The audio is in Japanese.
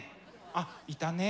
あっいたね